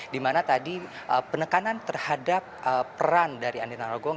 dimana tadi penekanan terhadap peran dari andi narogong